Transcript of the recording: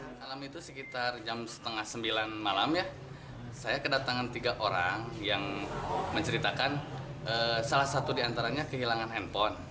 pada malam itu sekitar jam setengah sembilan malam ya saya kedatangan tiga orang yang menceritakan salah satu diantaranya kehilangan handphone